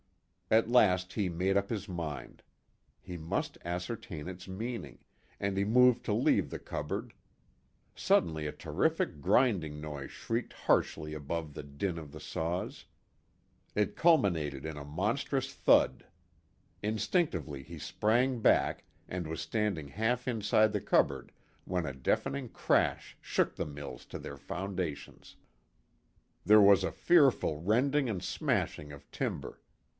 At last he made up his mind. He must ascertain its meaning, and he moved to leave the cupboard. Suddenly a terrific grinding noise shrieked harshly above the din of the saws. It culminated in a monstrous thud. Instinctively he sprang back, and was standing half inside the cupboard when a deafening crash shook the mills to their foundations. There was a fearful rending and smashing of timber.